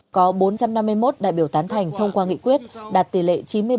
có bốn trăm năm mươi một đại biểu tán thành thông qua nghị quyết đạt tỷ lệ chín mươi ba ba mươi bảy